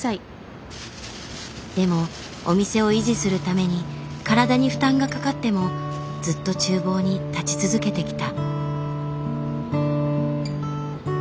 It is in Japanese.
でもお店を維持するために体に負担がかかってもずっと厨房に立ち続けてきた。